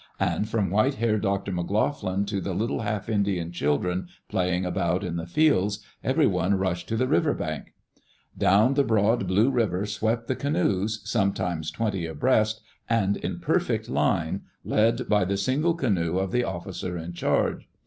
And from white haired Dr. McLoughlin to the little half Indian children playing about in the fields, everyone rushed to die river bank. Down the broad blue river swept the canoes, sometimes twenty abreast, and in perfect line, led by the single canoe of the officer in charge.